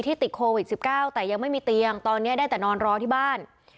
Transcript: ติดโควิด๑๙แต่ยังไม่มีเตียงตอนนี้ได้แต่นอนรอที่บ้าน